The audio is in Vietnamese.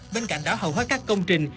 bên cạnh đó hầu hết các công trình